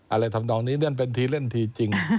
ทำนองนี้นั่นเป็นทีเล่นทีจริง